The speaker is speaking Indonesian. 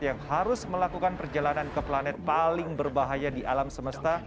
yang harus melakukan perjalanan ke planet paling berbahaya di alam semesta